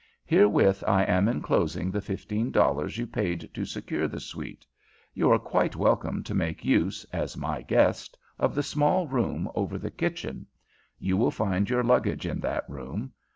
Herewith I am enclosing the fifteen dollars you paid to secure the suite. You are quite welcome to make use, as my guest, of the small room over the kitchen. You will find your luggage in that room.